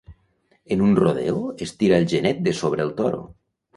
En un rodeo, es tira el genet de sobre el toro.